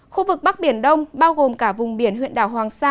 khu vực bắc biển đông bao gồm cả vùng biển huyện đảo hoàng sa